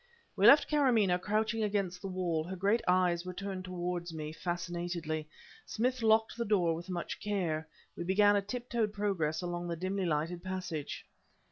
We left Karamaneh crouching against the wall; her great eyes were turned towards me fascinatedly. Smith locked the door with much care. We began a tip toed progress along the dimly lighted passage.